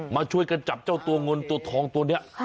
มาช่วยกันจับเจ้าตัวเงินตัวทองตัวนี้